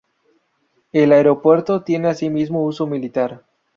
El aeropuerto tiene asimismo uso militar.